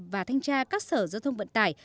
và thanh tra các sở do thông vận tải